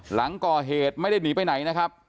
หลังก่อเหตุไม่ได้หนีไปไหนนะครับ